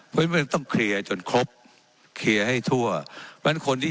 เจ้าหน้าที่ของรัฐมันก็เป็นผู้ใต้มิชชาท่านนมตรี